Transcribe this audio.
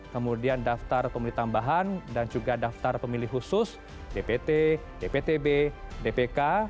kemudian daftar pemilih tambahan dan juga daftar pemilih khusus dpt dptb dpk